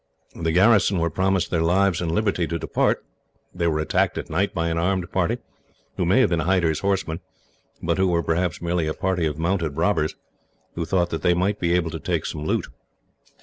The garrison were promised their lives and liberty to depart. They were attacked at night by an armed party, who may have been Hyder's horsemen, but who were perhaps merely a party of mounted robbers, who thought that they might be able to take some loot.